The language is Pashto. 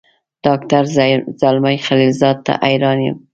ډاکټر زلمي خلیلزاد ته حیران یم.